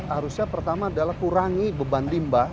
harusnya pertama adalah kurangi beban limbah